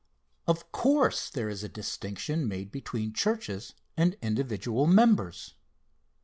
Of course, there is a distinction made between churches and individual members.